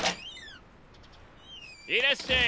いらっしゃい！